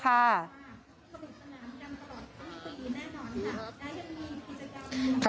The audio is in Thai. ก็ไม่ต้องผิดฝนหามกันตลอดทุกวินินาทีนี้แน่นอนค่ะได้เป็นมีที่จะเก่า